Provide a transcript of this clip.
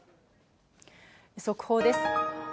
速報です。